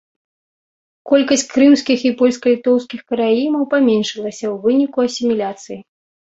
Колькасць крымскіх і польска-літоўскіх караімаў паменшылася ў выніку асіміляцыі.